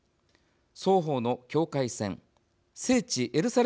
双方の境界線聖地エルサレムの帰属